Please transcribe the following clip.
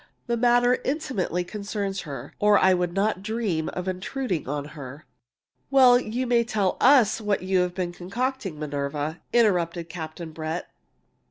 The matter intimately concerns her, or I would not dream of intruding on her." "Well, you may as well tell us what you've been concocting, Minerva," interrupted Captain Brett.